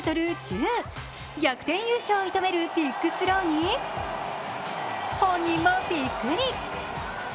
逆転優勝を射止めるビッグスローに本人もびっくり。